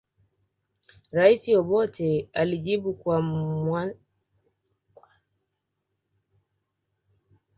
Rais Obote alijibu kwa kwanza kwa kuweka Amin chini ya kukamatwa